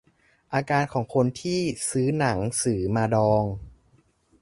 อาการของคนที่ซื้อหนังสือมาดอง